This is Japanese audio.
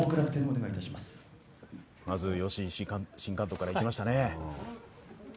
まず吉井新監督からいきましたね。